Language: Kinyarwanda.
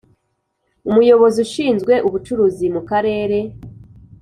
Umuyobozi Ushinzwe Ubucuruzi mukarere